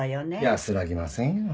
安らぎませんよ。